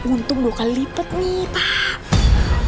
untung dua kali lipat nih pak